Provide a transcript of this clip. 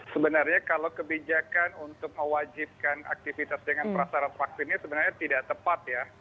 sebenarnya kalau kebijakan untuk mewajibkan aktivitas dengan prasarat vaksinnya sebenarnya tidak tepat ya